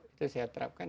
itu saya terapkan